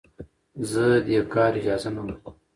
زه دې کار اجازه نه درکوم.